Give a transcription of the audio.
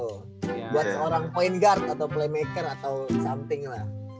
buat seorang point guard atau playmaker atau something lah